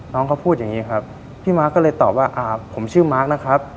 น้องเขาพูดอย่างนี้ครับพี่มาร์คก็เลยตอบว่าอ่าผมชื่อมาร์คนะครับ